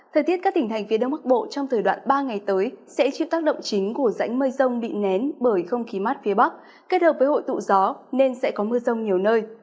thời tiết các tỉnh thành phía đông bắc bộ trong thời đoạn ba ngày tới sẽ chịu tác động chính của rãnh mây rông bị nén bởi không khí mát phía bắc kết hợp với hội tụ gió nên sẽ có mưa rông nhiều nơi